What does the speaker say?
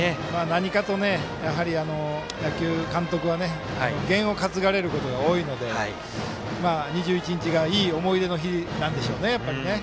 なにかと野球の監督は験を担がれることが多いので２１日がいい思い出の日なんでしょうね。